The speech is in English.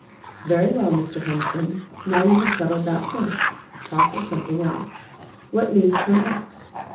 "Very well, Mr. Hunsden; now you have settled that point, talk of something else. What news from X